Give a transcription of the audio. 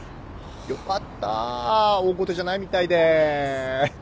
よかった大ごとじゃないみたいで。